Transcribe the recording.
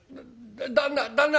旦那